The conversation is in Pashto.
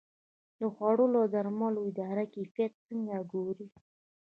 د خوړو او درملو اداره کیفیت څنګه ګوري؟